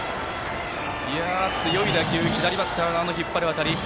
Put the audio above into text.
強い打球左バッターの引っ張る当たり。